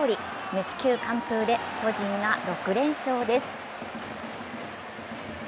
無四球完封で巨人が６連勝です。